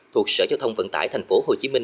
thuộc sở giao thông vận tải tp hcm